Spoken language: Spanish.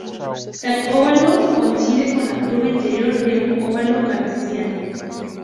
Tal óvalo coincide con la curva interior de un óvalo cartesiano.